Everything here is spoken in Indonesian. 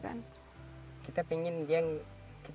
kita pingin dia kita lihat dia lagi main sama temen temennya sekalian